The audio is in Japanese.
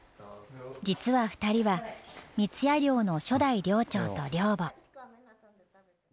実は２人は三矢寮の初代寮長と寮母。